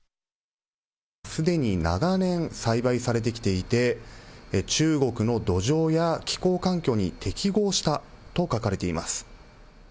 すでに長年栽培されてきていて、中国の土壌や気候環境に適合したと書かれています。